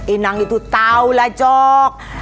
inang itu tahu lah